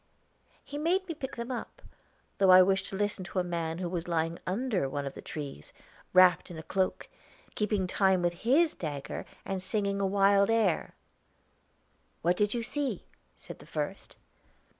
He made me pick them up, though I wished to listen to a man who was lying under one of the trees, wrapped in a cloak, keeping time with his dagger, and singing a wild air. "'What do you see?' said the first.